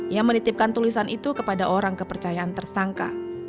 ia menitipkan tulisan itu namun pada orang kepercayaan tersangka